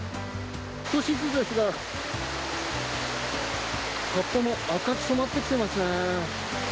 少しずつですが、葉っぱも赤く染まってきてますね。